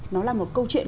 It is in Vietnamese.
nó là một câu chuyện